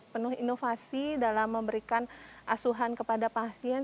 penuh inovasi dalam memberikan asuhan kepada pasien